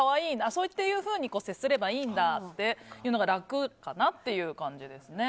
そういうふうに接すればいいんだっていうのが楽かなっていう感じですね。